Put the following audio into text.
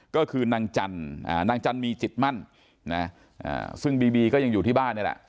ก็คือนางจันทร์นางจันมีจิตมั่นนะซึ่งบีบีก็ยังอยู่ที่บ้านนี่แหละ